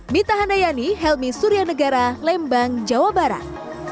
mita handayani helmy suryanegara lembang jawa barat